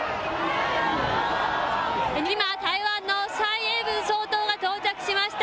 今、台湾の蔡英文総統が到着しました。